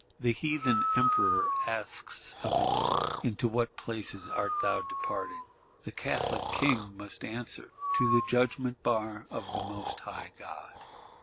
The Heathen Emperor asks of his soul: Into what places art thou now departing? The Catholic King must answer: To the Judgment bar of the Most High God!